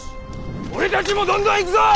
俺たちもどんどん行くぞ！